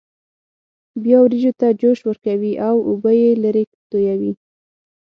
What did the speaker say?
بیا وریجو ته جوش ورکوي او اوبه یې لرې تویوي.